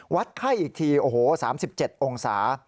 วัดไข้อีกที๓๗องศา